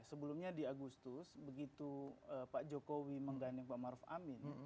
sebelumnya di agustus begitu pak jokowi menggandeng pak maruf amin